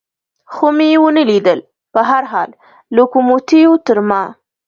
خو مې و نه لیدل، په هر حال لوکوموتیو تر ما.